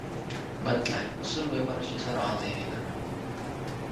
Mõtle, kas Sul on võimalus lisaraha teenida.